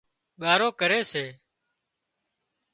ڳارو ڪري سي